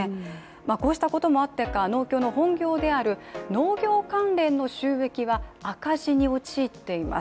こうしたこともあってか、農協の本業である農業関連の収益は赤字に陥っています。